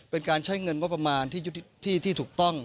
เป็นการใช้เงินงบประมาณที่ถูกต้อง